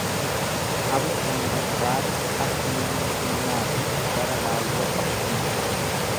qabu kan barbaade akka Namni humnaafi bara raawwatu hima.